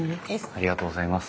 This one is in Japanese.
ありがとうございます。